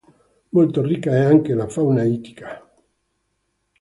Molto ricca è anche la fauna ittica.